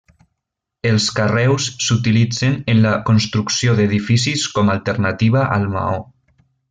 Els carreus s'utilitzen en la construcció d'edificis com a alternativa al maó.